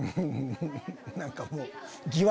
何かもう。